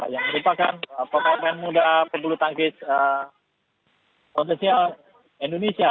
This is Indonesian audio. yang merupakan pemain muda penulut tangkis kontesial indonesia